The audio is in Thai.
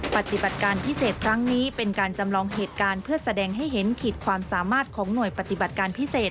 ปฏิบัติการพิเศษครั้งนี้เป็นการจำลองเหตุการณ์เพื่อแสดงให้เห็นขีดความสามารถของหน่วยปฏิบัติการพิเศษ